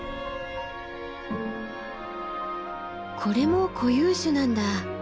これも固有種なんだ。